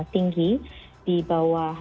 tinggi di bawah